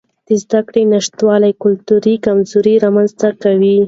د زده کړې نشتوالی کلتوري کمزوري رامنځته کوي.